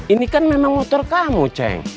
ini kan memang motor kamu ceng